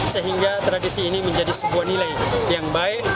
sehingga tradisi ini menjadi sebuah nilai yang baik